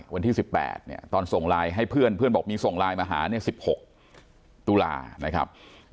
วันที่สิบแปดเนี่ยตอนส่งไลน์ให้เพื่อนเพื่อนบอกมีส่งไลน์มาหาสิบหกตุลานะครับ